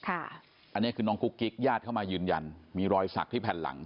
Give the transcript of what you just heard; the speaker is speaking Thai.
อันนี้คือน้องกุ๊กกิ๊กญาติเข้ามายืนยันมีรอยสักที่แผ่นหลัง